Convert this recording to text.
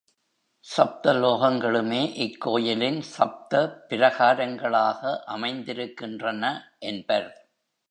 சப்த லோகங்களுமே இக் கோயிலின் சப்த பிரகாரங்களாக அமைந்திருக்கின்றன என்பர்.